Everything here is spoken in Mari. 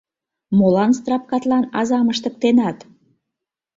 Молан страпкатлан азам ыштыктенат?